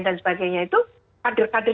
dan sebagainya itu kader kader